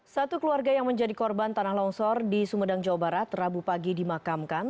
satu keluarga yang menjadi korban tanah longsor di sumedang jawa barat rabu pagi dimakamkan